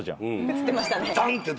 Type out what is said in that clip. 映ってましたね。